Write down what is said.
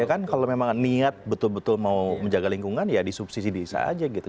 iya kan kalau memang niat betul betul mau menjaga lingkungan ya disubsidi saja gitu